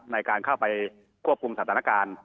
ในการเข้าไปควบคุมสถานการณ์